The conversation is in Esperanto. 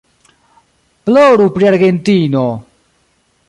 Ploru pri Argentino!